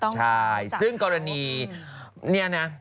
ใช่ซึ่งกรณีเนี่ยนะ